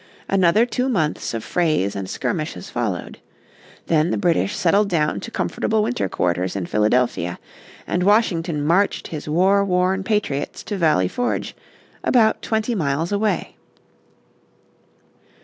Another two months of frays and skirmishes followed. Then the British settled down to comfortable winter quarters in Philadelphia, and Washington marched his war worn patriots to Valley Forge, about twenty miles away.